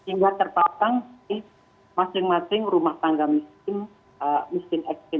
sehingga terpasang di masing masing rumah tangga miskin miskin eksen ini